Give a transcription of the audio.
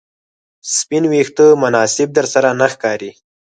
سپین ویښته مناسب درسره نه ښکاري